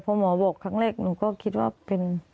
พอหมอบอกครั้งแรกหนูก็คิดว่าเป็น